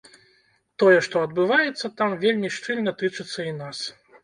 Тое, што адбываецца там, вельмі шчыльна тычыцца і нас.